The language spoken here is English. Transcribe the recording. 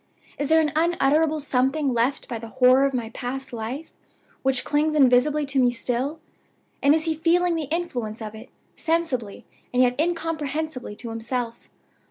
Is there an unutterable Something left by the horror of my past life, which clings invisibly to me still? And is he feeling the influence of it, sensibly, and yet incomprehensibly to himself?